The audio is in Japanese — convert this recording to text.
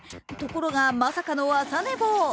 ところが、まさかの朝寝坊。